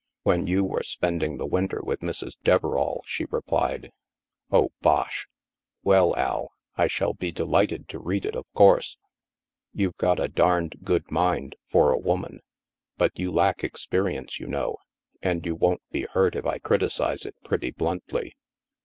" When you were spending the winter with Mrs. Deverall," she replied. " Oh, bosh! ... WeU, Al, I shaU be delighted to read it, of course. You've got a darned good mind for a woman, but you lack experience, you know, and you won't be hurt if I criticize it pretty bluntly."